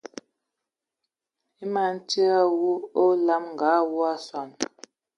E man tsid a atimbi a olam nga awū a nsom.